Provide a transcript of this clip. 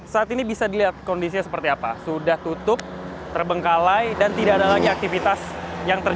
saat ini bisa dilihat kondisinya seperti apa sudah tutup terbengkalai dan tidak ada lagi aktivitas yang terjadi